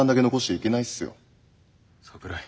桜井。